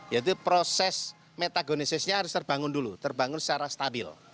yaitu proses metagonesisnya harus terbangun dulu terbangun secara stabil